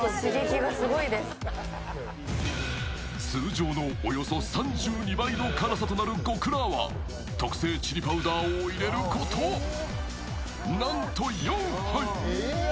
通常のおよそ３２倍の辛さとなる獄辣は特製チリパウダーを入れること、なんと４杯。